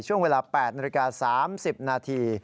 ช่วงเวลา๘นาฬิกา๓๐นาที